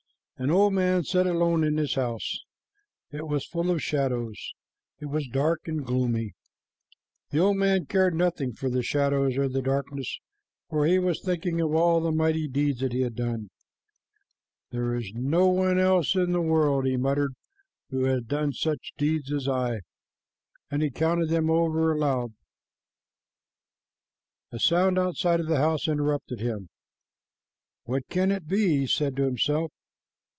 An old man sat alone in his house. It Was full of shadows; it was dark and gloomy. The old man cared nothing for the shadows or the darkness, for he was thinking of all the mighty deeds that he had done. "There is no one else in the world," he muttered, "who has done such deeds as I," and he counted them over aloud. A sound outside of the house interrupted him. "What can it be?" he said to himself.